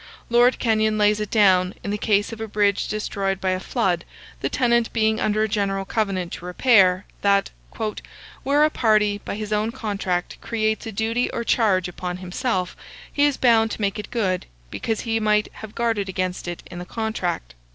Lord Kenyon lays it down, in the case of a bridge destroyed by a flood, the tenant being under a general covenant to repair, that, "where a party, by his own contract, creates a duty or charge upon himself, he is bound to make it good, because he might have guarded against it in the contract."